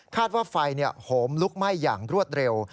ว่าไฟโหมลุกไหม้อย่างรวดเร็ว